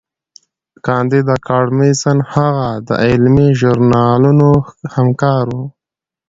کانديد اکاډميسن هغه د علمي ژورنالونو همکار و.